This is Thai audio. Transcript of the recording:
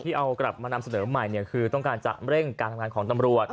เอากลับมานำเสนอใหม่คือต้องการจะเร่งการทำงานของตำรวจ